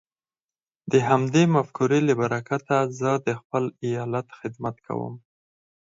د همدې مفکورې له برکته زه د خپل ايالت خدمت کوم.